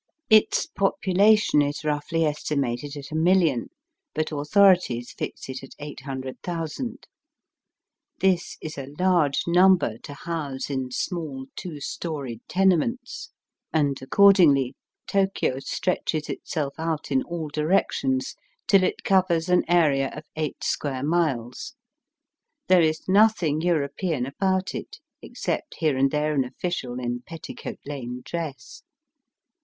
Its population is roughly estimated at a million, but authorities fix it at 800,000. This is a large number to house in small, two storied tenements, and Digitized by VjOOQIC F:feTE DAT AT ASAKUSA. 207 accordingly Tokio stretches itself out in all directions till it covers an area of eight square miles. There is nothing European about it, except here and there an official in Petticoat Lane dress.